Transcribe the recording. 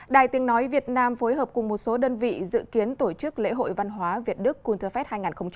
đài tiếng nói việt nam phối hợp cùng một số đơn vị dự kiến tổ chức lễ hội văn hóa việt đức counterfest hai nghìn hai mươi